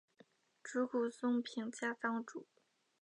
竹谷松平家当主。